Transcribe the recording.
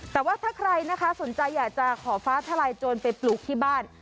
แต่ว่าถ้าใครนะคะสนใจอยากจะขอฟ้าทลายโจรไปปลูกที่บ้าน